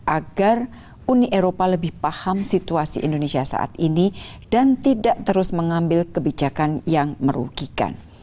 agar uni eropa lebih paham situasi indonesia saat ini dan tidak terus mengambil kebijakan yang merugikan